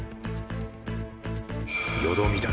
よどみだ。